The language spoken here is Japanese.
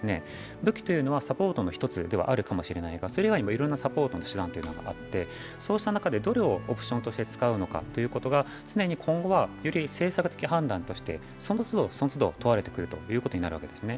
武器というのはサポートの一つかもしれないけど、それ以外にいろんなサポートの手段というのはあって、どれをオプションとして使うのかということが常に今後は、より政策的判断としてその都度その都度問われてくることになるわけですね。